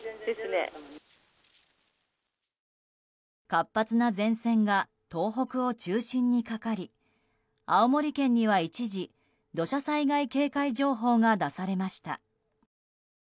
活発な前線が東北を中心にかかり青森県には一時土砂災害警戒情報が出されました。